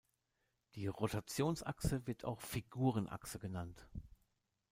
Die Rotationsachse wird auch "Figurenachse" genannt.